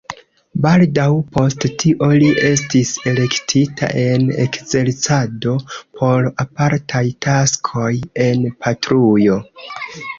Baldaŭ post tio li estis elektita en ekzercado por apartaj taskoj en patrujo.